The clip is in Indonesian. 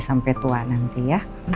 sampai tua nanti ya